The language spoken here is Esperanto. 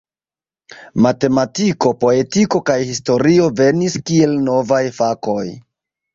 Matematiko, poetiko kaj historio venis kiel novaj fakoj.